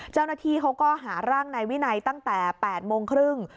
เจ้าหน้าที่เขาก็หาร่างนายวินัยตั้งแต่๘โมงครึ่ง